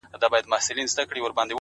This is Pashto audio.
هوښیار انسان د تېروتنې تکرار نه کوي!